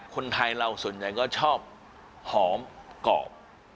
คนไทยเราส่วนใหญ่ก็ชอบหอมกรอบ